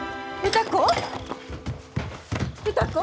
歌子。